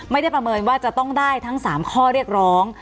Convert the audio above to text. ประเมินว่าจะต้องได้ทั้ง๓ข้อเรียกร้อง